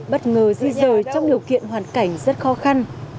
bất ngờ di rời trong điều kiện hoàn cảnh rất khó khăn